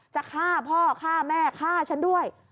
จะฆ่าพ่อฆ่าแม่ฆ่าฉันด้วย